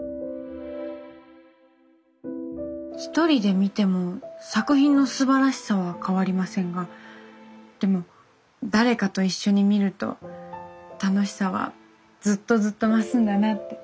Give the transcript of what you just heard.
１人で見ても作品のすばらしさは変わりませんがでも誰かと一緒に見ると楽しさはずっとずっと増すんだなって。